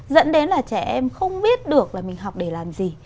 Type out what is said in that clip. dẫn đến là trẻ em không biết được là mình học để làm gì